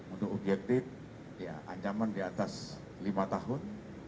untuk objektif ancaman di atas lima tahun